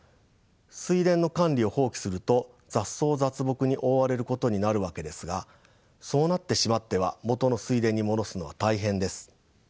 水田の管理を放棄すると雑草雑木に覆われることになるわけですがそうなってしまっては元の水田に戻すのは大変です。